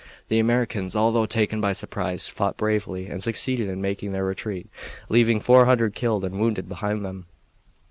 The Americans, although taken by surprise, fought bravely and succeeded in making their retreat, leaving four hundred killed and wounded behind them.